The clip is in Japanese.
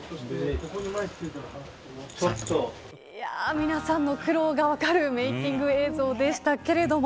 皆さんの苦労が分かるメイキング映像でした。